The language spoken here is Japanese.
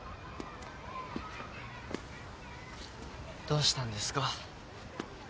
どうしたんですか？